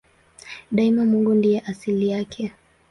Daima Mungu ndiye asili yake.